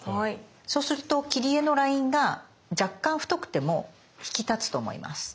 そうすると切り絵のラインが若干太くても引き立つと思います。